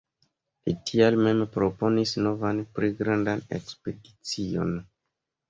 Li tial mem proponis novan pli grandan ekspedicion.